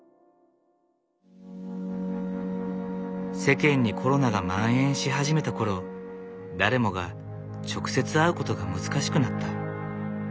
世間にコロナがまん延し始めたころ誰もが直接会うことが難しくなった。